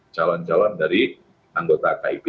calon calon dari anggota kib